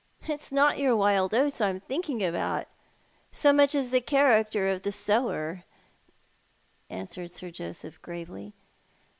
" It is not your wild oats I am thinking about, so much as the character of the sower," answered Sir Joseph, gravely.